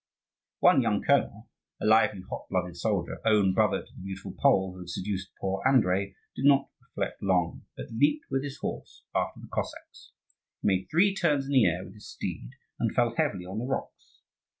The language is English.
One young colonel, a lively, hot blooded soldier, own brother to the beautiful Pole who had seduced poor Andrii, did not reflect long, but leaped with his horse after the Cossacks. He made three turns in the air with his steed, and fell heavily on the rocks.